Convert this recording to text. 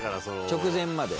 「直前まで？」